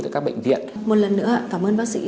từ các bệnh viện một lần nữa cảm ơn bác sĩ